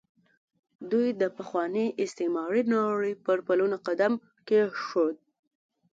دوی د پخوانۍ استعماري نړۍ پر پلونو قدم کېښود.